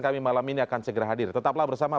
kami malam ini akan segera hadir tetaplah bersama